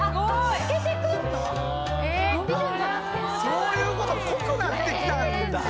そういうこと濃くなって来たんだ。